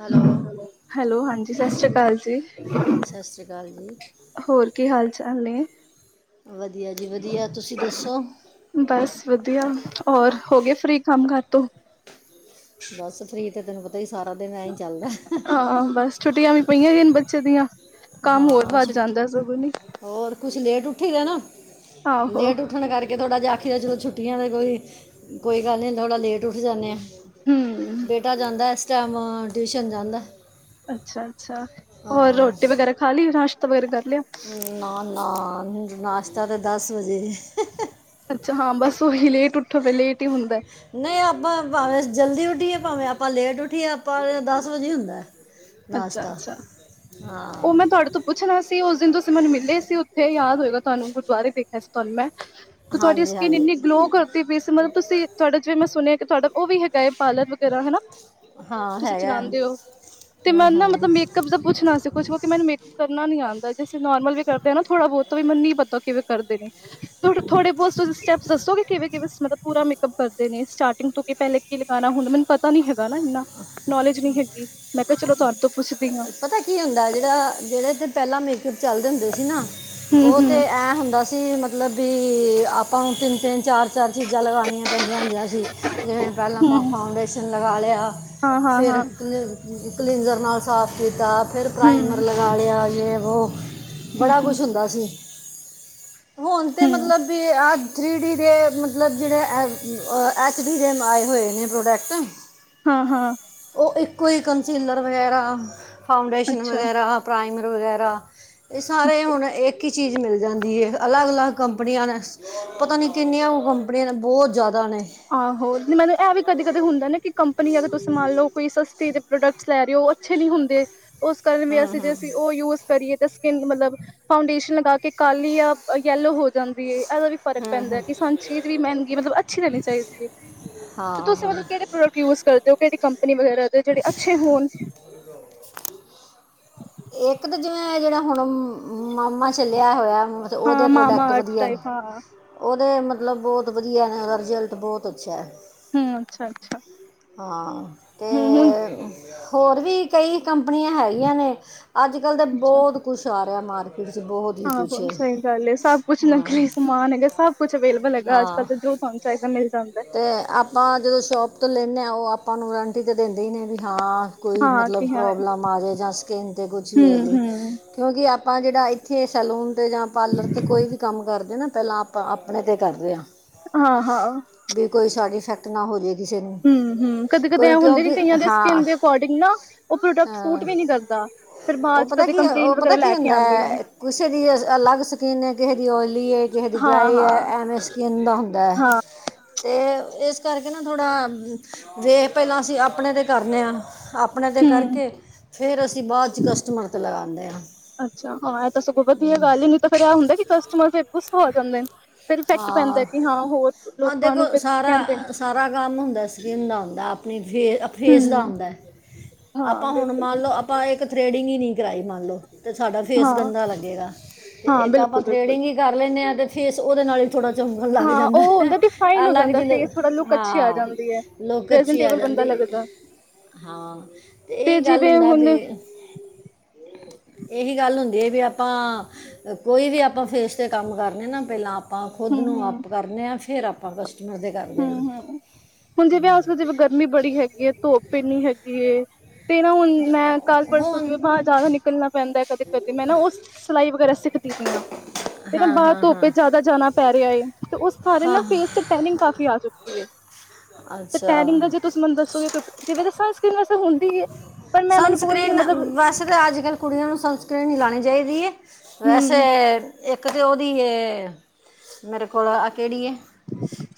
Hello hello ਹਾਂਜੀ। ਸਤਿ ਸ੍ਰੀ ਅਕਾਲ ਜੀ। ਸਤਿ ਸ਼੍ਰੀ ਅਕਾਲ ਜੀ ਹੋਰ ਕੀ ਹਾਲ ਚਾਲ ਨੇ। ਵਧੀਆ ਜੀ ਵਧੀਆ। ਤੁਸੀਂ ਦੱਸੋ? ਬਸ ਵਧੀਆ। ਹੋਰ ਹੋ ਗਏ ਫ੍ਰੀ, ਕੰਮ ਕਾਰ ਤੋਂ? ਬਸ ਫ੍ਰੀ ਤੇ ਤੈਨੂੰ ਪਤਾ ਹੀ ਸਾਰਾ ਦਿਨ ਐ ਚੱਲਦਾ। ਹਾਂ ਬਸ ਛੁੱਟੀਆਂ ਵੀ ਪਈਆਂ ਹੀ ਨੇ ਬੱਚੇ ਦੀਆਂ, ਕੰਮ ਹੋਰ ਹਾਂ ਵੱਧ ਛੁੱਟੀ ਜਾਂਦਾ ਸਗੋਂ ਨੀ। ਹੋਰ ਕੁਛ ਲੇਟ ਉੱਠੀ ਦਾ ਨਾ, ਆਹੋ ਲੇਟ ਉੱਠਣ ਕਰਕੇ ਥੋੜਾ ਜਹਾ ਆਖੀ ਲਓ ਚਲੋ ਛੁੱਟੀਆਂ ਚਲ, ਕੋਈ ਗੱਲ ਨਹੀਂ ਥੋੜਾ ਲੇਟ ਉੱਠ ਜਾਂਦੇ ਆ। ਹਮ ਬੇਟਾ ਜਾਂਦਾ ਇਸ ਟੈਮ ਟਿਊਸ਼ਨ ਜਾਂਦਾ। ਅੱਛਾ -ਅੱਛਾ ਹੋਰ ਹਾਂ ਰੋਟੀ ਵਗੈਰਾ ਖਾ ਲਈ ਨਾਸ਼ਤਾ ਵਗੈਰਾ ਕਰ ਲਿਆ। ਨਾ -ਨਾ ਨਾਸ਼ਤਾ ਤਾਂ ਦਸ ਵਜੇ [inaudible] ਅੱਛਾ ਹਾਂ ਬਸ ਉਹੀ ਲੇਟ ਉਠੋ ਤਾ ਲੇਟ ਹੀ ਹੁੰਦਾ। ਨਹੀਂ ਆਪਾਂ ਭਾਵੇਂ ਜਲਦੀ ਉਠੀਏ ਭਾਵੇਂ ਆਪਾਂ ਲੇਟ ਉੱਠੀਏ ਆਪਾਂ ਦਸ ਵਜੇ ਹੁੰਦਾ। ਅੱਛਾ ਨਾਸ਼ਤਾ -ਅੱਛਾ ਉਹ ਹਾਂ ਮੈਂ ਤੁਹਾਡੇ ਤੋਂ ਪੁੱਛਣਾ ਸੀ ਉਸ ਦਿਨ ਤੁਸੀਂ ਮੈਨੂੰ ਮਿਲੇ ਸੀ। ਉੱਥੇ ਯਾਦ ਹੋਏਗਾ ਤੁਹਾਨੂੰ ਗੁਰਦੁਆਰੇ ਦੇਖਿਆ ਸੀ ਤੁਹਾਨੂੰ ਮੈਂ ਤੇ ਤੁਹਾਡੀ ਹਾਂਜੀ ਸਕਿਨ ਇੰਨੀ ਹਾਂਜੀ ਗਲੋ ਕਰ ਤੁਸੀਂ ਫ਼ੀਸ ਮਤਲਬ ਤੁਸੀਂ ਤੁਹਾਡਾ ਜਿਵੇਂ ਮੈਂ ਸੁਣਿਆ ਕਿ ਤੁਹਾਡਾ ਉਹ ਵੀ ਹੈਗਾ ਹੈ ਪਾਰਲਰ ਵਗੈਰਾ ਹਨਾ। ਹਾਂ ਤੁਸੀਂ ਹੈਗਾ। ਚਲਾਉਂਦੇ ਹੋ ਤੇ ਹੂੰ ਮੈਂ ਨਾ ਹੂੰ ਮਤਲਬ ਮੇਕਅਪ ਦਾ ਪੁੱਛਣਾ ਸੀ ਕੁਛ ਕਿਉਂਕਿ ਮੈਂ ਮੇਕਅਪ ਕਰਨਾ ਨੀ ਆਉਂਦਾ ਜੇ ਅਸੀਂ ਨੋਰਮਲ ਵੀ ਕਰਦੇ ਹਾਂ ਨਾ ਥੋੜਾ ਬਹੁਤ ਉਹ ਮੈਨੂੰ ਵੀ ਨਹੀਂ ਪਤਾ ਕਿਵੇਂ ਕਰਦੇ ਨੇ। ਤੁਸੀਂ ਥੋੜੇ ਬਹੁਤ ਤੁਸੀਂ ਸਟੈਪਸ ਦੱਸੋਗੇ। ਕਿਵੇਂ- ਕਿਵੇਂ ਮਤਲਬ ਪੂਰਾ ਮੇਕਅਪ ਕਰਦੇ ਨੇ ਸਟਾਰਟਿੰਗ ਤੋਂ ਕਿ ਪਹਿਲੇ ਕੀ ਲਗਾਉਣਾ ਹੁੰਦਾ ਮੈਨੂੰ ਪਤਾ ਤਾਂ ਨਹੀਂ ਹੈਗਾ ਇੰਨਾ ਨੌਲੇਜ ਨਹੀਂ ਹੈਗੀ ਮੈਂ ਕਿਹਾ ਚਲੋ ਤੁਹਾਡੇ ਤੋਂ ਪੁੱਛਦੀ ਹਾਂ ਪਤਾ ਕੀ ਹੁੰਦਾ ਜਿਹੜਾ ਜਿਹੜੇ ਪਹਿਲਾਂ ਮੇਕਅਪ ਚੱਲਦੇ ਹੁੰਦੇ ਸੀ ਨਾ। ਹਮ ਉਹ ਤੇ ਐ ਹੁੰਦਾ ਸੀ ਮਤਲਬ ਵੀ ਆਪਾਂ ਤਿੰਨ- ਤਿੰਨ ਚਾਰ ਚਾਰ ਚੀਜ਼ਾਂ ਲਗਾਉਣੀਆਂ ਪੈਂਦੀਆਂ ਹੁੰਦੀਆਂ ਸੀ ਜਿਵੇਂ ਪਹਿਲਾਂ ਹਮ ਆਪਾਂ ਹਮ ਫਾਊਂਡੇਸ਼ਨ ਲਗਾ ਲਿਆ। ਹਾਂ ਹਾਂ ਫਿਰ ਹਾਂ ਕਲੀ ਕਲੀਨਜ਼ਰ ਨਾਲ ਸਾਫ ਕੀਤਾ। ਫਿਰ ਪ੍ਰਾਈਮਰ ਹਮ ਲਗਾ ਲਿਆ ਜੇ ਵੋ ਹਮ ਬੜਾ ਹਮ ਕੁਛ ਹੁੰਦਾ ਸੀ। ਹੁਣ ਤੇ ਹਮ ਮਤਲਬ ਵੀ ਅ ਥ੍ਰੀ ਡੀ ਦੇ ਮਤਲਬ ਜਿਹੜੇ ਐਚ ਡੀ ਦੇ ਆਏ ਹੋਏ ਨੇ ਪ੍ਰੋਡਕਟ ਹਾਂ -ਹਾਂ ਉਹ ਇੱਕੋ ਹੀ ਕੰਸੀਲਰ ਵਗੈਰਾ, ਫਾਂਡੇਸ਼ਨ ਅੱਛਾ ਵਗੈਰਾ, ਪ੍ਰਾਈਮਰ ਵਗੈਰਾ ਇਹ ਸਾਰੇ ਅੱਛਾ ਹੁਣ ਇੱਕ ਹੀ ਚੀਜ਼ ਮਿਲ ਜਾਂਦੀ ਹੈ। ਅਲੱਗ -ਅਲੱਗ ਕੰਪਨੀਆਂ ਨੇ। ਪਤਾ ਨੀ ਕਿੰਨੀਆਂ ਕੋ ਕੰਪਨੀਆਂ ਨੇ ਬਹੁਤ ਜ਼ਿਆਦਾ ਨੇ। ਆਹੋ ਮੈਨੂੰ ਇਹ ਵੀ ਕਦੇ- ਕਦੇ ਹੁੰਦਾ ਨਾ ਕਿ ਕੰਪਨੀ ਅਗਰ ਤੁਸੀਂ ਮੰਨ ਲਓ ਕੋਈ ਸਸਤੀ ਤੇ ਪ੍ਰੋਡਕਟਸ ਲੈ ਰਹੇ ਹੋ ਉਹ ਅੱਛੇ ਨਹੀਂ ਹੁੰਦੇ ਉਸ ਕਾਰਨ ਵੀ ਹੂੰ ਅਸੀਂ ਹੂੰ ਜੇਸੀਂ ਉਹ ਯੂ ਕਰੀਏ ਤਾਂ ਸਕਿੰਨ ਮਤਲਬ ਫਾਊਂਡੇਸ਼ਨ ਲਗਾ ਕੇ ਕਾਲੀ ਜਾ ਯੈਲੋ ਹੋ ਜਾਂਦੀ ਏ ਇਹਦਾ ਵੀ ਫ਼ਰਕ ਹੂੰ ਪੈਂਦਾ ਹੂੰ ਕਿ ਸਾਨੂੰ ਚੀਜ਼ ਵੀ ਮਹਿੰਗੀ ਮਤਲਬ ਅੱਛੀ ਲੈਣੀ ਚਾਹੀਦੀ ਹੈ ਤੇ ਤੁਸੀਂ ਹਾਂ ਮਤਲਬ ਕਿਹੜੇ ਪ੍ਰੋਡ ਯੂਸ ਕਰਦੇ ਹੋ ਕਿਹੜੀ ਕੰਪਨੀ ਵਗੈਰਾ ਦੇ ਜਿਹੜੇ ਅੱਛੇ ਹੋਣ। ਇੱਕ ਤਾਂ ਜਿਵੇਂ ਜਿਹੜਾ ਹੁਣ ਮਾਮਾ ਚੱਲਿਆ ਹੋਇਆ। ਤੇ ਹਾਂ ਉਹਦੇ ਮਾਮਾ ਪ੍ਰੋਡਕਟ ਅਰਥ ਵਧੀਆ ਨੇ ਟਾਈਪ ਹਾਂ ਉਹਦੇ ਮਤਲਬ ਬਹੁਤ ਵਧੀਆ ਨੇ ਉਹਦਾ ਰਿਜ਼ਲਟ ਬਹੁਤ ਅੱਛਾ ਹੈ। ਹੂੰ ਅੱਛਾ -ਅੱਛਾ ਹਾਂ ਤੇ ਹੂੰ ਹੁਣ ਹੋਰ ਵੀ ਕਈ ਕੰਪਨੀਆਂ ਹੈਗੀਆਂ ਨੇ ਅੱਜ ਕੱਲ ਤਾਂ ਅੱਛਾ ਬਹੁਤ ਕੁਛ ਆ ਰਿਹਾ ਮਾਰਕਿਟ ਆਹੋ ਸਹੀ ਗੱਲ ਹੈ, ਸਭ ਕੁਛ ਹਾਂ ਨਕਲੀ ਸਮਾਨ ਹੈਗਾ ਸਭ ਕੁਛ ਅਵੇਲੇਬਲ ਹੈਗਾ ਅੱਜ ਕੱਲ ਹਾਂ ਤਾਂ ਜੋ ਤੁਹਾਨੂੰ ਚਾਏ ਤਾ ਮਿਲ ਜਾਂਦਾ ਐ। ਅਤੇ ਆਪ ਆਪਾਂ ਜਦੋਂ ਸ਼ੋਪ ਤੋਂ ਲੈਂਦੇ ਹਾਂ ਉਹ ਆਪਾਂ ਨੂੰ ਵਰੰਟੀ ਤੇ ਦਿੰਦੇ ਹੀ ਨੇ ਵੀ ਹਾਂ। ਕੋਈ ਹਾਂ ਮਤਲ ਕਿਹਾ ਹੈ ਪ੍ਰੋਬਲਮ ਆਵੇ ਜਾਂ ਸਕਿੰਨ ਤੇ ਕੁਛ ਵੀ ਹੂੰ ਹੋ ਜੇ। ਹੂੰ ਕਿਉਂਕਿ ਆਪਾਂ ਜਿਹੜਾ ਇੱਥੇ ਸੈਲੂਨ ਤੇ ਜਾਂ ਪਾਰਲਰ ਤੇ ਕੋਈ ਵੀ ਕੰਮ ਕਰਦੇ ਨਾ ਪਹਿਲਾਂ ਆਪ ਆਪਣੇ ਤੇ ਕਰਦੇ ਆਂ। ਹਾਂ- ਹਾਂ। ਵੀ ਕੋਈ ਸਾਈਡ ਇਫੈਕਟ ਨਾ ਹੋ ਜਾਵੇ ਕਿਸੇ ਨੂੰ ਹੂੰ- ਹੂੰ ਕਦੇ- ਕਦੇ ਐ ਕੋਈ ਹੁੰਦੇ ਕਿਉਂਕਿ ਕਈਆਂ ਦੇ ਹਾਂ ਸਕਿੰਨ ਦੇ ਅਕੋਡਿੰਗ ਨਾ ਉਹ ਪ੍ਰੋਡਕਟ ਸੂਟ ਹਾਂ ਵੀ ਨਹੀਂ ਕਰਦਾ। ਫਿਰ ਉਹ ਬਾਅਦ ਚ ਪਤਾ ਕਦੇ ਕੀ ਕੰਪਲੇਂਟ ਉਹ ਵਗੈਰਾ ਪਤਾ ਕੀ ਲੈ ਕੇ ਹੁੰਦਾ ਆਂਦੇ ਨੇ ਕਿਸੇ ਦੀ ਅਲੱਗ ਸਕੀਨ ਹੈ ਕਿਸੇ ਦੀ ਆਇਲੀ ਏ। ਕਿਸ ਦੀ ਹਾਂ ਡਰਾਈ ਹਾਂ ਹੈ ਐਵੇਂ ਸਕਿੰਨ ਦਾ ਹੁੰਦਾ ਹੈ। ਹਾਂ ਤੇ ਇਸ ਕਰਕੇ ਨਾ ਥੋੜ੍ਹਾ ਵੇ ਪਹਿਲਾਂ ਅਸੀਂ ਆਪਣੇ ਤੇ ਕਰਨੇ ਹਾਂ। ਆਪਣੇ 'ਤੇ ਹੂੰ ਕਰਕੇ ਫਿਰ ਅਸੀਂ ਬਾਅਦ 'ਚ ਕਸਟਮਰ 'ਤੇ ਲਗਾਦੇ ਆ। ਅੱਛਾ ਹਾਂ ਇਹ ਤਾਂ ਸਗੋਂ ਵਧੀ ਇਹ ਗੱਲ ਹੀ ਨੀ ਤਾਂ ਫਿਰ ਆ ਹੁੰਦਾ ਕਿ ਕਸਟਮਰ ਫਿਰ ਗੁੱਸਾ ਹੋ ਆ ਜਾਂਦੇ ਨੇ। ਪਰ ਇਫੈਕਟ ਪੈਂਦਾ ਹਾਂ ਕਿ ਹਾਂ ਹੋਰ ਹਾਂ ਲੋਕਾਂ ਨੂੰ ਦੇਖੋ ਸਾਰਾ ਕਹਿੰਦੇ ਸਾਰਾ ਕੰਮ ਹੁੰਦਾ ਸਕਿੰਨ ਦਾ ਹੁੰਦਾ। ਆਪਣੀ ਫੇਸ ਆਪ ਫੇਸ ਦਾ ਹੂੰ ਆਦਾ ਹਾਂ ਆਪਾਂ ਹੁਣ ਬਿਲਕੁਲ ਮੰਨ ਬਿਲਕੁਲ ਲਓ ਆਪਾਂ ਇੱਕ ਥਰੈਡਿੰਗ ਈ ਨੀ ਕਰਵਾਾਈ ਮੰਨ ਲਓ। ਅਤੇ ਸਾਡਾ ਫੇਸ ਹਾਂ ਗੰਦਾ ਲੱਗੇਗਾ ਅਤੇ ਹਾਂ ਇੱਕ ਆਪਾਂ ਬਿਲਕੁਲ ਬਿਲਕੁਲ ਥਰੇਡਿੰਗ ਹੀ ਕਰ ਲੈਂਨੇ ਆ ਤੇ ਫੇਸ ਉਹਦੇ ਨਾਲ ਹੀ ਥੋੜ੍ਹਾ ਚੰਗਾ ਲੱਗ ਹਾਂ ਜਾਂਦਾ ਉਹ ਐ, ਹੁੰਦਾ ਡਿਫਾਈਨ ਹੋ ਅਲੱਗ ਜਾਂਦਾ ਜਿ ਫੇਸ ਥੋੜਾ ਲੁੱਕ ਅੱਛੀ ਆ ਹਾਂ ਜਾਂਦੀ ਐ ਲੁਕ ਅੱਛੀ ਆ ਪ੍ਰੈਜੈਂਟੇਬਲ ਬੰਦਾ ਜਾਂਦੀ। ਲੱਗਦਾ ਹਾਂ ਤੇ ਇਹ ਗੱਲ ਜਿਵੇਂ ਹੁੰਦਾ ਹੁਣ ਵੀ ਇਹੀ ਗੱਲ ਹੁੰਦੀ ਹੈ ਵੀ ਆਪਾਂ, ਕੋਈ ਵੀ ਆਪਾਂ ਫੇਸ 'ਤੇ ਕੰਮ ਕਰਨੇ ਨਾ ਪਹਿਲਾਂ ਆਪਾਂ ਖੁਦ ਨੂੰ ਹੂੰ-ਹੂੰ, ਅੱਪ ਕਰਨੇ ਹਾਂ, ਫੇਰ ਆਪਾਂ ਕਸਟਮਰ ਦੇ। ਕਰਦੇ ਆ। ਵੀ ਬੜੀ ਹੈਗੀ ਏ ਧੁੱਪ ਏਨੀ ਹੈਗੀ ਏ ਤੇ ਨਾ ਹੁਣ ਮੈਂ ਕੱਲ ਪਰਸੋਂ ਦੀ। ਹੁਣ ਜ਼ਿਆਦਾ ਨਿਕਲਣਾ ਪੈਂਦਾ ਕਦੇ, ਕਦੇ ਮੈਂ ਨਾ ਉਹ ਸਿਲਾਈ ਵਗੈਰਾ ਸਿੱਖਦੀ ਤੇ ਨਾ ਹਾਂ ਬਾਹਰ ਹਾਂ ਧੁੱਪ ਹਾਂ ਚ ਜ਼ਿਆਦਾ ਜਾਣਾ ਪੈ ਰਿਹਾ ਹੈ ਤੇ ਉਸ ਕਾਰਨ ਨਾ ਹਾਂ ਫੇਸ ਤੇ ਟਾਈਨਿੰਗ ਆ ਚੁੱਕੀ ਏ ਤੇ, ਅੱਛਾ ਟੈਰਿੰਗਲ ਜੇ ਤੁਸੀਂ ਮੈਨੂੰ ਦੱਸੋਗੇ ਜਿਵੇਂ ਤਾਂ ਸਨਸ੍ਰੀਨ ਵੈਸੇ ਹੁੰਦੀ ਏ। ਪਰ, ਮੈਂ ਮੈਨੂੰ ਕੋਈ ਮਤਲਬ ਇੱਥੇ ਤਾਂ ਅੱਜ ਕੱਲ ਕੁੜੀਆਂ ਨੂੰ ਸੰਨਸਕ੍ਰੀਨ ਨਈ ਲਉਣੀ ਚਾਹੀਦੀ ਏ। ਵੈਸੇ ਹੂੰ, ਇੱਕ ਤਾਂ ਉਹਦੀ ਹੈ ਮੇਰੇ ਕੋਲ ਕੇੜੀ ਐ?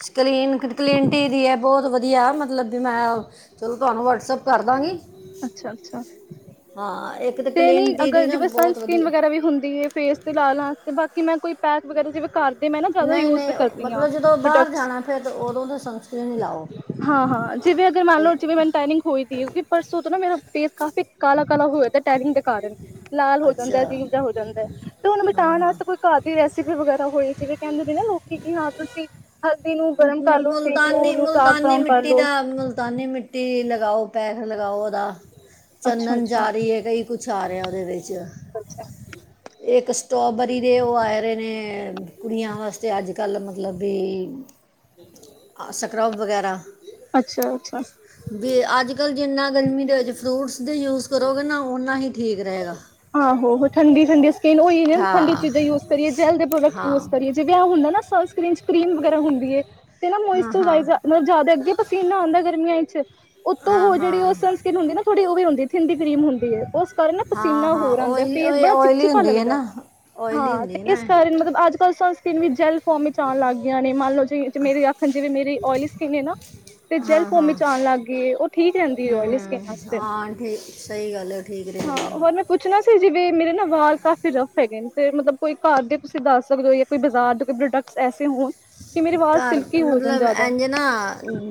ਸਕਲੀਨ ਕਲੀਨਟੀ ਦੀ ਏ ਬਹੁਤ ਵਧੀਆ ਮਤਲਬ ਵੀ ਮੈਂ ਚਲੋ ਤੁਹਾਨੂੰ ਵਟਸਐਪ ਕਰਦਾਂ ਗੀ। ਅੱਛਾ, ਅੱਛਾ। ਹਾਂ ਇੱਕ ਤੇ ਨਹੀਂ ਕਲੀਨਟੀ ਦੀ ਅਗਰ ਨਾ ਜਿਵੇਂ ਬਹੁਤ ਸਨਸਕੀਨ ਵਧੀਆ ਵਗੈਰਾ ਵੀ ਹੁੰਦੀ ਐ। ਫੇਸ ਤੇ ਲਾ ਲਾਸਤੇ ਬਾਕੀ ਮੈਂ ਕੋਈ ਪੈਕ ਵਗੈਰਾ ਜਿਵੇਂ ਘਰ ਦੇ ਮੈਂ ਨਾ ਜ਼ਿਆਦਾ ਨਹੀਂ ਯੂਜ ਨਹੀਂ ਕਰਦੀ ਆ ਮਤਲਬ ਜਦੋਂ ਬਾਹਰ ਪ੍ਰੋਡਕਟਸ। ਜਾਣਾ ਫਿਰ ਤਾਂ ਉਦੋਂ ਤਾਂ ਸਨਸਕ੍ਰੀਨ ਹੀ ਲਾਓ ਹਾਂ, ਹਾਂ ਜਿਵੇਂ ਅਗਰ ਮੰਨ ਤੇ- ਲੋਓ ਜਵੇਂ ਮੈਨ ਟੈਨਿੰਗ ਹੋਈ ਸੀ ਕਿ ਪਰਸੋ ਤੇ ਨਾ ਮੇਰਾ ਫੇਸ ਕਾਫੀ ਕਾਲਾ, ਕਾਲਾ ਹੋਇਆ ਟੈਨਿੰਗ ਕਾਰਨ ਲਾਲ ਹੋ ਜਾਂਦਾ ਅੱਛਾ ਐ। ਜੀਵ ਜਿਹਾ ਹੋ ਜਾਂਦਾ ਤੇ ਉਹਨੂੰ ਹਾਂ ਮਿਟਾਉਣ ਹਾਂ ਵਾਸਤੇ ਕੋਈ ਘਰ ਦੀ ਰੈਸਿਪੀ ਵਗੈਰਾ ਹੋਣੀ ਜਿਵੇਂ ਕਹਿੰਦੇ ਸੀ ਨਾ ਲੋਕੀ ਕਿ ਹਾਂ ਤੁਸੀਂ ਹਲਦੀ ਨੂੰ ਮ- ਗਰਮ ਕਰ ਲੋ ਸੇਖ ਮੁਲਤਾਨੀ ਲੋ ਚਾਕ ਮੁਲਤਾਨੀ ਡਨ ਕਰ ਮਿੱਟੀ ਲੋ। ਦਾ ਮੁਲਤਾਨੀ ਮਿੱਟੀ ਲਗਾਓ ਪੈਕ ਲਗਾਓ। ਉਹਦਾ ਅੱਛਾ ਚੰਦਨ ਅੱਛਾ ਚ ਰਹੀ ਹੈ। ਕਈ ਕੁਛ ਆ ਰਿਹਾ ਉਹਦੇ ਵਿੱਚ ਇਹ ਇੱਕ ਸਟੋਬਰੀ ਦੇ ਉਹ ਆਏ ਰਹੇ ਨੇ ਕੁੜੀਆਂ ਵਾਸਤੇ ਅੱਜ ਕੱਲ੍ਹ ਮਤਲਬ ਵੀ [unintelligible] ਸਕ੍ਰੱਬ ਵਗੈਰਾ। ਅੱਛਾ, ਅੱਛਾ। ਵੀ ਅੱਜ ਕੱਲ੍ਹ ਜਿੰਨਾ ਗਰਮੀ ਦੇ ਵਿੱਚ ਫਰੂਟਸ ਦੇ ਯੂਜ ਕਰੋਗੇ ਨਾ ਓਨਾ ਹੀ ਠੀਕ ਰਹੇਗਾ ਆਹੋ ਠੰਡੀ ਠੰਡੀ ਸਕਿਨ ਈ ਠੰਡੀ ਹਾਂ ਚੀਜ਼ਾਂ ਯੂਜ ਕਰੀਏ ਜੈਲ ਦੇ ਹਾਂ ਪ੍ਰੋਡਕਟ ਯੂਜ ਕਰੀਏ। ਜਿਵੇਂ ਆਹ ਹੁੰਦਾ ਨਾ ਸਨ ਸਕਰੀਨ ਚ ਕਰੀਮ ਵਗੈਰਾ ਹੁੰਦੀ ਹੈ ਤੇ ਨਾ ਹਾਂ ਮੋਸਚ ਹਾਂ ਮਤਲਬ ਜ਼ਿਆਦਾ ਅੱਗੇ ਪਸੀਨਾ ਆਉਂਦਾ ਗਰਮੀਆਂ ਚ ਉਤੋਂ ਹਾਂ ਉਹ ਜਿਹੜੀ ਉਹ ਹਾਂ ਸਨ ਸਕਿਨ ਹੁੰਦੀ ਨਾ ਥੋੜ੍ਹੀ ਉਹ ਵੀ ਹੁੰਦੀ ਥਿੰਦੀ ਕਰੀਮ ਹੁੰਦੀ ਉਸ ਕਾਰਨ ਨਾ। ਹਾਂ ਪਸੀਨਾ ਹਾਂ ਹੋਰ ਆਂਦਾ ਆਇਲੀ ਫੇਸ ਬੜਾ ਆਇਲੀ ਚਿਪਚਿਪਾ ਹੁੰਦੀ ਹੈ ਲੱਗਦਾ ਨਾ ਆਇਲੀ ਐ ਹੁੰਦੀ ਹੈ ਤੇ ਨਾ ਇਸ ਕਰ ਇਹ। ਮਤਲਬ ਅੱਜ-ਕੱਲ੍ਹ ਸਾਨੂੰ ਸਕਿੰਨ ਵੀ ਜੈਲ ਫੋਰਮ ਵਿੱਚ ਆਉਣ ਲੱਗ ਗਈਆਂ ਨੇ। ਮੰਨ ਲਓ ਵੇੇ ਆਖਣ ਜਿਵੇਂ ਮੇਰੀ ਓਇਲੀ ਸਕਿਨ ਐ। ਨਾ ਤੇ ਜੈਲ ਹਾਂ ਫੋਮ ਵਿੱਚ ਹਾਂ ਚ ਆਉਣ ਲੱਗ ਗਈ ਏ। ਉਹ ਠੀਕ ਰਹਿੰਦੀ ਹੂੰ ਆਇਲੀ ਹੂੰ ਸਕਿੰਨ ਵਸਤੇ। ਹਾਂ, ਠੀਕ ਸਹੀ ਗੱਲ ਹੈ ਠੀਕ ਰਹੇਗੀ। ਹੋਰ ਮੈਂ ਪੁੱਛਣਾ ਸੀ ਜਿਵੇ ਮੇਰੇ ਨਾ ਵਾਲ ਕਾਫੀ ਰਫ ਹੈਗੇ ਨੇ ਤੇ। ਮਤਲਬ ਕੋਈ ਘਰ ਦੇ ਤੁਸੀਂ ਦੱਸ ਸਕਦੇ ਹੋ? ਜਾਂ ਕੋਈ ਬਾਜ਼ਾਰ ਦੇ ਕੋਈ ਪ੍ਰੋਡਕਟ ਐਸੇ ਹੋਨ, ਕਿ ਮੇਰੇ ਵਾਲ ਸਿਲਕੀ ਹੋ ਜਾਣ ਜਿਆਦਾ।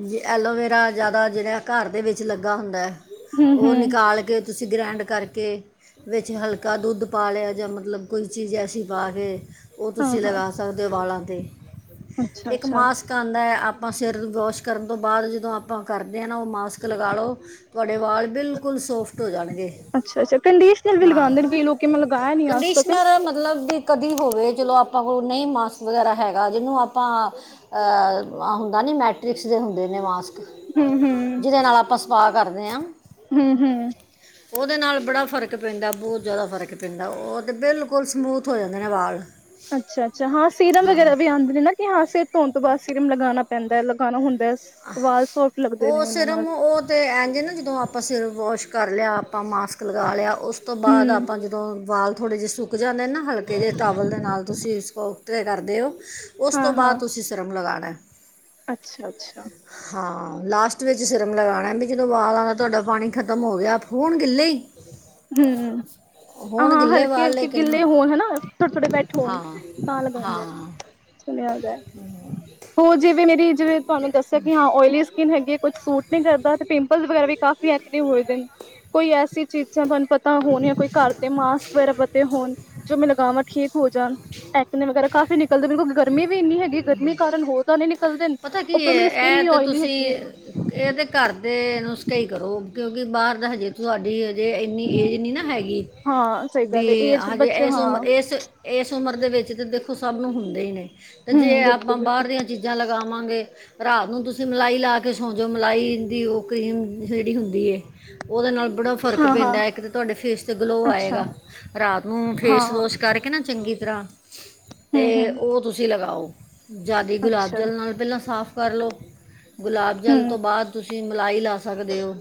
ਜੇ ਐਲੋਵੇਰਾ ਜ਼ਿਆਦਾ ਜੇੜਾ ਘਰ ਦੇ ਵਿੱਚ ਲੱਗਾ ਹੁੰਦਾ ਹੂੰ ਉਹ ਹੂੰ ਨਿਕਾਲ ਕੇ ਤੁਸੀਂ ਗ੍ਰਾਂਡ ਕਰਕੇ ਵਿੱਚ ਹਲਕਾ ਦੁੱਧ ਪਾ ਲਿਆ ਜਾਂ ਮਤਲਬ ਕੋਈ ਚੀਜ਼ ਐਸੀ ਪਾ ਕੇ ਉਹ ਹਾਂ ਤੁਸੀਂ ਹਾਂ ਲਗਾ ਸਕਦੇ ਵਾਲਾਂ 'ਤੇ ਅੱਛਾ ਇੱਕ ਅੱਛਾ ਮਾਸ ਕਾ ਆਉਂਦਾ ਹੈ ਆਪਾਂ ਸਿਰ ਵੋਸ਼ ਕਰਨ ਤੋਂ ਬਾਅਦ ਜਦੋਂ ਆਪਾਂ ਕਰਦੇ ਆ ਨਾ ਉਹ ਮਾਸਕ ਲਗਾ ਲਉ ਤੁਆਡੇ ਵਾਲ ਬਿਲਕੁਲ ਸੋਫਟ ਹੋ ਜਾਣਗੇ ਅੱਛਾ ਅੱਛਾ ਕੰਡੀਸ਼ਨਰ ਵੀ ਹਾਂ ਲਗਾਉਂਦੇ ਨੇ ਕਈ ਲੋਕੀ ਮੈਂ ਲਗਾਇਆ ਨੀ ਅੱਜ ਕੰਡੀਸ਼ ਤੱਕ ਮੇਰਾ ਮਤਲਬ ਵੀ ਕਦੀ ਹੋਵੇ ਚਲੋ ਆਪਾਂ ਕੋਲ ਨਹੀਂ ਮਾਸਕ ਵਗੈਰਾ ਹੈਗਾ ਜਿਹਨੂੰ ਆਪਾਂ ਅ ਹੁੰਦਾ ਨੀ ਮੈਟ੍ਰਿਕਸ ਦੇ ਹੁੰਦੇ ਨੇ ਮਾਸ ਹੂੰ ਜਿਹਦੇ ਨਾਲ ਆਪਾਂ ਸਪਾਹ ਕਰਦੇ ਹਾਂ। ਹਮ ਹਮ ਉਹਦੇ ਨਾਲ ਬੜਾ ਫ਼ਰਕ ਪੈਂਦਾ ਬਹੁਤ ਜ਼ਿਆਦਾ ਫਰਕ ਪੈਂਦਾ ਉਹ ਤੇ ਬਿਲਕੁਲ ਸਮੂਥ ਹੋ ਜਾਂਦੇ ਨੇ ਵਾਲ। ਅੱਛਾ ਅੱਛਾ ਹਾਂ ਸੀਰਮ ਹਾਂ ਵਗੈਰਾ ਵੀ ਆਉਂਦੇ ਨੇ ਨਾ ਕਿ ਹਾਂ ਸਿਰ ਧੋਣ ਤੋਂ ਬਾਅਦ ਸੀਰਮ ਲਗਾਉਣਾ ਪੈਂਦਾ ਏ ਲਗਾਉਣਾ ਹੁੰ ਞਾਲ ਸ ਉਹ ਸਿਰਮ ਉਹ ਤੇ ਐਂਜ ਆ ਨਾ ਜਦੋਂ ਆਪਾਂ ਸਿਰ ਵਾਸ਼ ਕਰ ਲਿਆ ਆਪਾਂ ਮਾਸ ਲਗਾ ਲਿਆ ਉਸ ਤੋਂ ਬਾਅਦ ਹੂੰ ਆਪਾਂ ਜ ਉਦੋਂ ਬਾਲ ਥੋੜ੍ਹੇ ਜਿਹੇ ਸੁੱਕ ਜਾਂਦੇ ਨੇ ਨਾ ਹਲਕੇ ਜਿਹੇ ਟਾਵਲ ਦੇ ਨਾਲ ਤੁਸੀਂ ਸਕੋਤੇ ਕਰਦੇ ਔ ਉਸ ਹਾਂ ਤੋਂ ਹਾਂ ਬਾਅਦ ਤੁਸੀਂ ਸਿਰਮ ਲਗਾਉਣਾ। ਅੱਛਾ ਅੱਛਾ ਹਾਂ ਲਾਸਟ ਵਿੱਚ ਸਿਰਮ ਲਗਾਉਣਾ ਵੀ ਜਦੋਂ ਵਾਲਾਂ ਦਾ ਤੁਹਾਡਾ ਪਾਣੀ ਖਤਮ ਹੋ ਗਿਆ ਹੋਣ ਗਿੱਲੇ ਈ ਹਮ ਹ ਹਾਂ ਗਿੱਲੇ ਹਲਕੇ ਵਾਲ ਹਲਕੇ ਲੇਕਿਨ ਗਿੱਲੇ ਹੋਣ ਹਨਾ ਥੋੜੇ ਥੋੜੇ ਬੈਠੇ ਹੋਣ ਹਾਂ ਤਾਂ ਲਗਾਦੇ। ਹਾਂ ਸੁਣਿਆਦਾ ਹੋ ਜਿਵੇਂ ਮੇਰੀ ਜਿਵੇਂ ਤੁਹਾਨੂੰ ਦੱਸਿਆ ਹਾਂ ਓਇਲੀ ਸਕਿਨ ਹੈਗੀ ਏ ਕੁਛ ਸੂਟ ਨੀ ਕਰਦਾ ਤੇ ਪਿਂਪਲ ਵਗੈਰਾ ਵੀ ਕਾਫੀ ਐਕਟਿਵ ਹੋਏ ਦੇ ਕੋਈ ਐਸੀ ਚੀਜ਼ਾਂ ਤੁਹਾਨੂੰ ਪਤਾ ਹੋਣੀ ਕੋਈ ਘਰ ਦੇ ਮਾਸਕ ਵਗੈਰਾ ਪਤੇ ਹੋਣ ਜੋ ਮੈਂ ਲਗਾਵਾਂ ਠੀਕ ਹੋ ਜਾਣ ਟੈਕਨੀ ਵਗੈਰਾ ਕਾਫੀ ਗਲ ਤੇ ਬਿਲਕੁਲ ਗਰਮੀ ਵੀ ਇੰਨੀ ਹੈਗੀ ਗਰਮੀ ਕਾਰਨ ਹੋਰ ਦਾਣੇਂ ਨਿਕਲਦੇ ਨ ਪਤਾ ਕੀ ਉੱਪਰੋਂ ਹੈ ਮੇਰੀ ਸਕਿੰਨ ਵੀ ਓਇਲੀ ਹੈਗੀ ਏ। ਇਹ ਤਾਂ ਘਰ ਦੇ ਨੂਸਖੇ ਈ ਕਰੋ ਕਿਉਂਕਿ ਬਾਹਰ ਦਾ ਹਜੇ ਤੁਹਾਡੀ ਹਜੇ ਇੰਨੀ ਏਜ ਨਹੀਂ ਨਾ ਹੈਗੀ ਹਾਂ ਸਹੀ ਵੀ ਗੱਲ ਏ ਏਜ ਹਜੇ ਬੱਚੇ ਇਸ ਹਾਂ ਉਮ ਇਸ ਇਸ ਉਮਰ ਦੇ ਵਿੱਚ ਤਾਂ ਦੇਖੋ ਸਭ ਨੂੰ ਹੁੰਦੇ ਈ ਨੇ ਤੇ ਜੇ ਹੂੰ ਆਪਾਂ ਬਿਲਕੁਲ-ਬਿਲਕੁਲ ਬਾਹਰ ਦੀਆਂ ਚੀਜ਼ਾਂ ਲਗਾਵਾਂਗੇ ਰਾਤ ਨੂੰ ਤੁਸੀਂ ਮਲਾਈ ਲਾ ਕੇ ਸੌ ਜੌੰ ਮਲਾਈ ਦੀ ਉਹ ਕਰੀਮ ਜਿਹੜੀ ਹੁੰਦੀ ਏ ਉਹਦੇ ਨਾਲ ਬੜਾ ਫ਼ਰਕ ਹਾਂ-ਹਾਂ ਪੈਂਦਾ ਐ ਇੱਕ ਤਾਂ ਤੁਹਾਡੇ ਫੇਸ ਤੇ ਗਲੋ ਅੱਛਾ ਆਏਗਾ ਰਾਤ ਨੂੰ ਹਾਂ ਫੇਸ ਵੋਸ਼ ਕਰਕੇ ਨਾ ਚੰਗੀ ਤਰ੍ਹਾਂ ਤੇ ਹੂੰ-ਹੂੰ ਉਹ ਤੁਸੀਂ ਲਗਾਓ ਜਾਦੀ ਗੁਲਾਬ ਅੱਛਾ ਜਲ ਨਾਲ ਪਹਿਲਾਂ ਸਾਫ਼ ਕਰ ਲਓ ਗੁਲਾਬ ਜਲ ਹੂੰ ਤੋਂ ਬਾਅਦ ਤੁਸੀਂ ਮਲਾਈ ਲਾ ਸਕਦੇ ਓ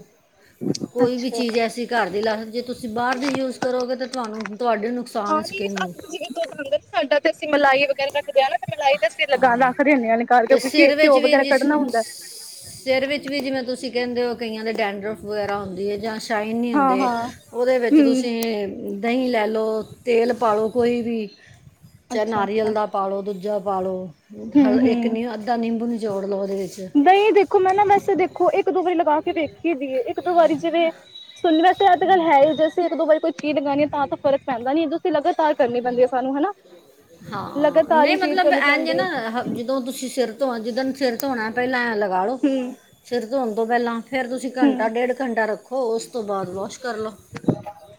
ਹਮ [inaudible] ਕੋਈ ਵੀ ਚੀਜ਼ ਐਸੀ ਘਰ ਦੀ ਲਾ ਸਕਦੇ ਜੇ ਤੁਸੀਂ ਬਾਹਰ ਦੇ ਯੂਜ ਕਰੋਗੇ ਤਾਂ ਤੁਹਾਨੂੰ ਤੁਹਾਡੇ ਹਾਂ ਨੁਕਸਾਨ ਨੀ ਸਕਿਨ [unintelligible] ਸਾਡਾ ਤੇ ਅਸੀਂ ਮਲਾਈ ਵਗੈਰਾ। ਫੇਰ ਏਨਾ ਤੇ, ਮਲਾਈ ਦਾ ਸਿਰ ਲਗਾ ਹਾਂ ਰੱਖ ਦਿੰਦੇਆ ਨਿਕਾਲ ਕੇ, ਤੇ ਕਿਉਂਕਿ ਸਿਰ ਵਿੱਚ ਘਿਓ ਵੀ ਵਗੈਰਾ ਜਿਸ ਕੱਢਣਾ ਹੁੰਦਾ। ਸਿਰ ਵਿੱਚ ਵੀ ਜਿਵੇਂ, ਤੁਸੀਂ ਕਹਿੰਦੇ ਹੋ ਕਈਆਂ ਦੇ ਡੈਂਡਰਫ ਵਗੈਰਾ ਹੁੰਦੀ ਹੈ ਜਾਂ ਸ਼ ਸ਼ਾਈਨ ਨੀ ਹਾਂ ਹੁੰਦੇ ਹਾਂ ਉਹਦੇ ਵਿੱਚ ਹੂੰ ਤੁਸੀਂ ਦਹੀਂ ਲੈ ਲਓ ਤੇਲ ਪਾ ਲਉ ਕੋਈ ਵੀ ਚਾਹੇ ਅੱਛਾ ਅੱਛਾ ਨਾਰੀਅਲ ਦਾ ਪਾ ਲਉ ਦੁੱਧ ਜਾ ਪਾ ਲਉ ਹੂੰ ਹਲ ਇੱਕ ਹੂੰ ਨੀ ਅੱਧਾ ਨਿੰਬੂ ਨਿਚੋੜ ਲਉ ਉਹਦੇ ਵਿੱਚ ਨਹੀਂ ਦੇਖੋ ਮੈਂ ਨਾ ਵੈਸੇ ਦੇਖੋ ਇੱਕ ਦੋ ਵਾਰੀ ਲਗਾ ਕੇ ਵੇਖੀ ਦੀ ਏ ਇੱਕ ਦੋ ਵਾਰੀ ਜਿਵੇਂ ਸੁਣੇ ਵੈਸੇ ਅੱਜ ਗੱਲ ਹੈ ਹੀ ਜੈਸੇ ਇੱਕ ਦੋ ਵਾਰੀ ਕੋਈ ਕੀ ਲਗਾਣੀ ਆ ਤਾਂ ਤੇ ਫਰਕ ਪੈਂਦਾ ਨੀ। ਤੁਸੀਂ ਲਗਾਤਾਰ ਕਰਨੀ ਪੈਂਦੀ ਹੈ ਸਾਨੂੰ ਹਨਾ। ਹਾਂ, ਲਗਾਤਾਰ ਨਹੀਂ ਹੀ ਫੀਡ ਮਤਲਬ ਕਰਨੀ ਇਝ ਏ ਪੈਂਦੀ ਹੈ ਨਾ ਜਦੋਂ ਤੁਸੀਂ ਸਿਰ ਧੋ ਜਿੱਦਨ ਸਿਰ ਧੋਣੈ ਪਹਿਲਾਂ ਐ ਲਗਾ ਲਓ ਹੂੰ ਸਿਰ ਧੋਣ ਤੋਂ ਪਹਿਲਾਂ। ਫਿਰ ਤੁਸੀਂ ਘੰਟਾ ਹੂੰ ਡੇਢ ਘੰਟਾ ਰੱਖੋ ਉਸ ਤੋਂ ਬਾਅਦ ਵਾਸ਼ ਕਰ ਲਓ।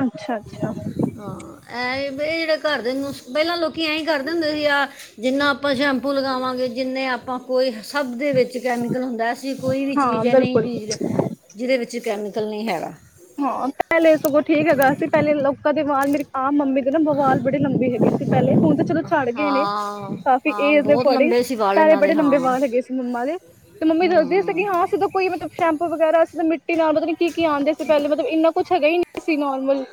ਅੱਛਾ ਅੱਛਾ ਹਾਂ ਐ ਬੇ ਜਿਹੜਾ ਘਰਦੇ ਨੂੰ, ਪਹਿਲਾਂ ਲੋਕੀ ਐਂ ਹੀ ਕਰਦੇ ਹੁੰਦੇ ਸੀ ਆ। ਜਿੰਨਾ ਆਪਾਂ ਸ਼ੈਂਪੂ ਲਗਾਵਾਂਗੇ ਜਿੰਨੇ ਆਪਾਂ ਕੋਈ ਸਭ ਦੇ ਵਿੱਚ ਕੈਮੀਕਲ ਹੁੰਦਾ। ਅਸੀਂ ਕੋਈ ਵੀ ਹਾਂ ਚੀਜ਼ ਹੈ ਨਹੀਂ ਬਿਲਕੁਲ ਬੀਜਦੇ। ਜਿਹਦੇ ਵਿੱਚ ਕੈਮੀਕਲ ਨਹੀਂ ਹੈਗਾ। ਹਾਂ, ਪਹਿਲੇ ਸਗੋਂ ਠੀਕ ਹੈਗਾ ਸੀ। ਪਹਿਲੇ ਲੋਕਾਂ ਦੇ ਵਾਲ, ਮੇਰੀ ਆਪ ਮੰਮੀ ਦੇ ਨਾ ਵਾਲ ਬੜੀ ਲੰਬੀ ਹੈਗੇ ਸੀ। ਪਹਿਲੇ ਤੇ ਹੁਣ ਚਲੋ ਛੱੜ ਗਏ ਨੇ ਹਾਂ ਕਾਫੀ, ਹਾਂ ਏਜ ਦੇ ਬਹੁਤ ਅਕੋਰਡਿੰਗ, ਲੰਬੇ ਸੀ ਵਾਲ ਪੈਲੇ ਇਹਨਾਂ ਦੇ ਬੜੇ ਲੰਬੇ ਹਾਂ ਵਾਲ ਹੈਗੇ ਸੀ ਮੰਮਾ ਦੇ ਤੇ ਮੰਮੀ ਦੱਸਦੀ ਸੀਗੀ। ਹੂੰ ਹਾਂ ਅਸੀਂ ਦੋ ਕੋਈ ਮਤਲਬ ਸ਼ੈਂਪੂ ਵਗੈਰਾ ਅਸੀ ਤਾਂ ਮਿੱਟੀ ਨਾਲ ਮਤਲਬ ਕੀ ਕੀ ਆਂਦੇ ਸੀ। ਪਹਿਲੇ ਮਤਲਬ ਇੰਨਾ ਕੁਛ ਹੈਗਾ ਈ ਨੀ ਸੀ ਨੋਰਮਲ,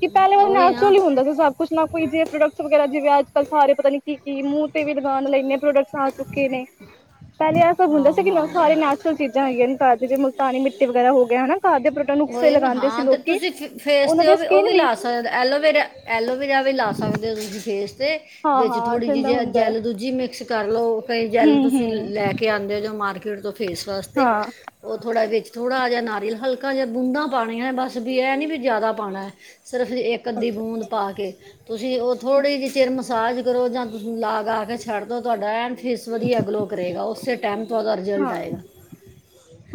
ਕਿ ਪਹਿਲੇ ਵਾਲ ਉਹੀ ਨਾ ਨੈਚਰਲ ਹੀ ਹੁੰਦੇ ਸੀ ਸਭ ਕੁਛ ਨਾ ਕੋਈ ਜਿਹੇ ਪ੍ਰੋਡਕਟਸ ਵਗੈਰਾ ਜਿਵੇਂ, ਅੱਜ ਕੱਲ ਸਾਰੇ ਪਤਾ ਨੀ ਕੀ -ਕੀ ਮੂੰਹ ਤੇ ਵੀ ਲਗਾਣ ਲਈ ਇੰਨੇ ਪ੍ਰੋਡਕਟਸ ਆ ਚੁੱਕੇ ਨੇ ਪਹਿਲੇ ਇਹ ਸਭ ਹਾਂ ਹੁੰਦਾ ਸੀ ਕਿ ਨਾ ਹਾਂ ਸਾਰੇ ਨੈਚੁਰਲ ਚੀਜ਼ਾਂ ਹੈਗੀਆਂ ਨੇ, ਜੇ ਮੁਲਤਾਨੀ ਮਿੱਟੀ ਵਗੈਰਾ ਹੋ ਗਿਆ ਹਨਾ। ਘਰ ਦੇ ਪ੍ਰ ਉਹ ਹੀ ਨਾ ਹਾਂ। ਤੇ ਤੁਸੀਂ ਫ ਫੇਸ ਉਹਨਾਂ 'ਤੇ ਦੀ ਉਹ ਵੀ ਉਹ ਸਕਿਨ ਵੀ ਲਾ ਸਕਦੇ ਐਲੋਵੇਰਾ-ਐਲੋਵੇਰਾ ਵੀ ਲਾ ਸਕਦੇ ਤੇ ਥੋੜੀ ਜੀ ਫੇਸ ਤੇ, ਹਾਂ ਵਿੱਚ ਹਾਂ ਥੋੜੀ ਜੀ ਠੰਡਾ ਜ ਹੁੰਦਾ ਹੈ ਜ਼ੈਲ ਦੂਜੀ ਮਿਕਸ ਕਰ ਲਓ। ਕਈ ਜੈਲ ਹੂੰ ਹੂੰ ਤੁਸੀਂ ਲੈ ਕੇ ਆਉਂਦੇ ਓ, ਜੋ ਮਾਰਕੀਟ ਤੋਂ ਫੇਸ ਵਾਸਤੇ ਹਾਂ ਉਹ ਥੋੜ੍ਹਾ ਵਿੱਚ ਥੋੜ੍ਹਾ ਜਿਹਾ ਨਾਰੀਅਲ, ਹਲਕਾ ਜਿਹਾ ਬੂੰਦਾਂ ਪਾਣੀਆਂ ਬਸ। ਵੀ ਇਹ ਨੀ ਵੀ ਜ਼ਿਆਦਾ ਪਾਣਾ ਐ। ਸਿਰਫ ਇੱਕ-ਅੱਧੀ ਅੱਛਾ ਬੂੰਦ ਪਾ ਕੇ, ਤੁਸੀਂ ਉਹ ਥੋੜ੍ਹੀ ਜਿਹੀ ਚਿਰ ਮਸਾਜ ਕਰੋ ਜਾਂ ਤੁਸੀਂ ਲਾ ਗਾ ਕੇ ਛੱਡ ਦੋ, ਤੁਹਾਡਾ ਐਨ ਫੇਸ ਵਧੀਆ ਗਲੋ ਕਰੇਗਾ। ਉਸੇ ਟਾਈਮ ਤੋਂ ਉਹਦਾ ਰਿਜ਼ਲਟ ਹਾਂ ਆਏਗਾ।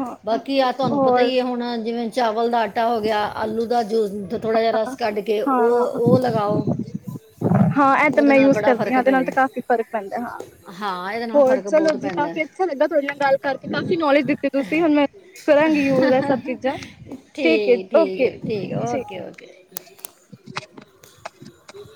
ਹਾਂ ਬਾਕੀ ਆਹ ਤੁਹਾਨੂੰ ਪਤਾ ਹੋਰ ਹੀ ਹੈ ਹੁਣ ਜਿਵੇਂ, ਚਾਵਲ ਦਾ ਆਟਾ ਹੋ ਗਿਆ ਆਲੂ ਦਾ ਜੂ ਥੋੜ੍ਹਾ ਜਿਹਾ ਰਸ ਕੱਢ ਕੇ ਹਾਂ ਉਹ, ਹਾਂ ਉਹ ਲਗਾਓ। ਹਾਂ ਇਹ ਤਾਂ ਉਹਦੇ ਮੈਂ ਨਾਲ ਯੂਜ ਬੜਾ ਕਰਦੀ ਫਰਕ ਹਾਂ। ਇਹਦੇ ਨਾਲ ਤੇ ਪੈਂਦਾ ਕਾਫ਼ੀ ਫ਼ਰਕ ਪੈਂਦਾ ਹਾ। ਹਾਂ ਇਹ ਹੋਰ ਚਲੋ ਜੀ, ਕਾਫ਼ੀ ਅੱਛਾ ਲੱਗਾ ਤੁਹਾਡੇ ਨਾਲ ਗੱਲ ਕਰਕੇ, ਕਾਫੀ ਨੌਲੇਜ ਦਿੱਤੀ ਤੁਸੀਂ ਹੁਣ ਮੈਂ ਕਰਾਂਗੀ ਯੂਜ ਹੈ ਸਭ ਚੀਜ਼ਾਂ। ਠੀਕ ਏ ਠੀਕ ਓਕੇ ਹੈ ਓਕੇ ਠੀਕ ਓਕੇ [inaudible]